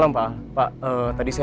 kau mau lihat kesana